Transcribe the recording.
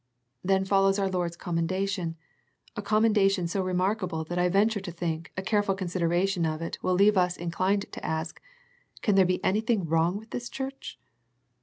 Then follows our Lord's commendation, a commendation so remarkable that I venture to think a careful consideration of it will leave 36 A First Century Message us inclined to ask, Can there be anything wrong with this church?